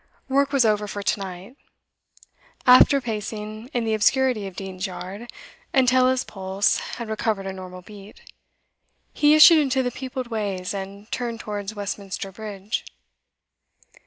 Work was over for to night. After pacing in the obscurity of Dean's Yard until his pulse had recovered a normal beat, he issued into the peopled ways, and turned towards Westminster Bridge.